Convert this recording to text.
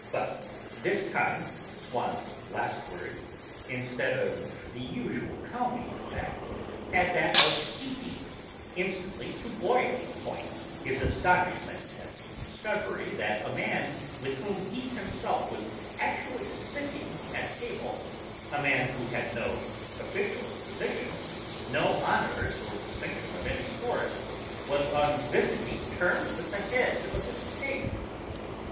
But this time Swann's last words, instead of the usual calming effect, had that of heating, instantly, to boiling point his astonishment at the discovery that a man with whom he himself was actually sitting at table, a man who had no official position, no honours or distinction of any sort, was on visiting terms with the Head of the State.